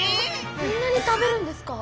そんなに食べるんですか。